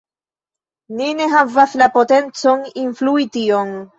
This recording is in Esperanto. Ni ne havas la potencon influi tion.